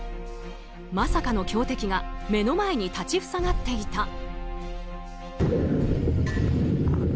まさかの強敵が目の前に立ち塞がっていた。